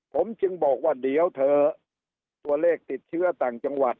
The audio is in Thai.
ผมจึงบอกว่าเดี๋ยวเถอะตัวเลขติดเชื้อต่างจังหวัด